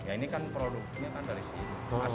ya ini kan produknya kan dari sini